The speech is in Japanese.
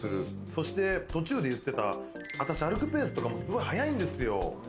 そして途中で言ってた歩くペースとかも速いんですよ。